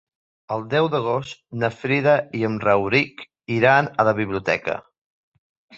El deu d'agost na Frida i en Rauric iran a la biblioteca.